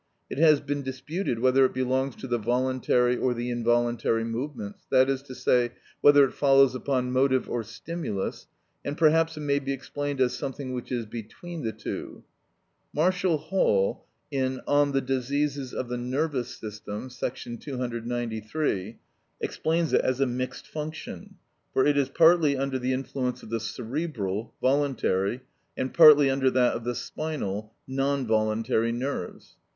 It has been disputed whether it belongs to the voluntary or the involuntary movements, that is to say, whether it follows upon motive or stimulus, and perhaps it may be explained as something which is between the two. Marshall Hall ("On the Diseases of the Nervous System," § 293 sq.) explains it as a mixed function, for it is partly under the influence of the cerebral (voluntary), and partly under that of the spinal (non voluntary) nerves.